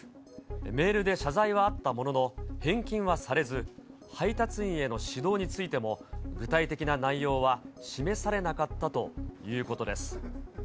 メールで謝罪はあったものの、返金はされず、配達員への指導についても具体的な内容は示されなかったということです。